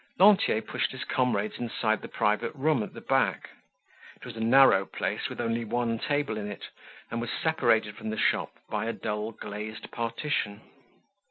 Lantier pushed his comrades inside the private room at the back; it was a narrow place with only one table in it, and was separated from the shop by a dull glazed partition.